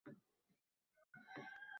She’ri biroq